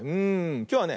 きょうはね